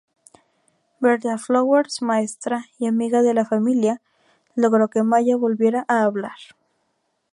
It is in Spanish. Bertha Flowers, maestra y amiga de la familia, logró que Maya volviera a hablar.